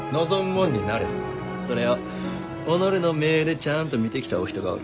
それを己の目でちゃあんと見てきたお人がおる。